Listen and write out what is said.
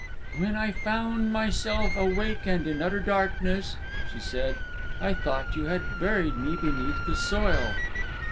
"When I found myself awake and in utter darkness," she said, "I thought you had buried me beneath the soil."